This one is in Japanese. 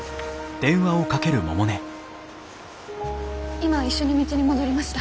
今一緒に道に戻りました。